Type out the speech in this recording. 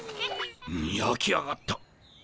やき上がった。